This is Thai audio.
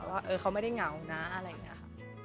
ว่าเขาไม่ได้เหงานะอะไรอย่างนี้ค่ะ